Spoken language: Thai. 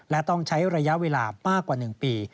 และต้องใช้ระยะเวลามากกว่า๑ปี